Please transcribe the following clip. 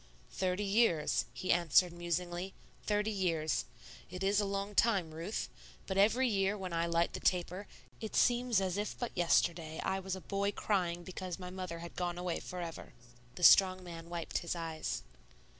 "Thirty years," he answered musingly, "thirty years. It is a long time, Ruth; but every year when I light the taper it seems as if but yesterday I was a boy crying because my mother had gone away forever." The strong man wiped his eyes.